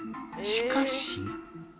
しかし。